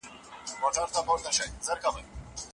څوک چي سالم عقل ولري، هغه د الله تعالی قدرتونه مني.